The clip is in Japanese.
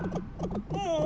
もう！